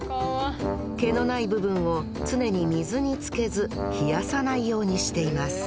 毛のない部分を常に水につけず冷やさないようにしています。